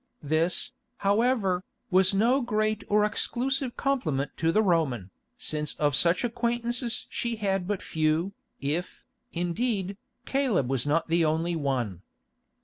This, however, was no great or exclusive compliment to the Roman, since of such acquaintances she had but few, if, indeed, Caleb was not the only one.